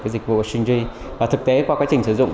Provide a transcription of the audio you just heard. cái dịch vụ của stringy và thực tế qua quá trình sử dụng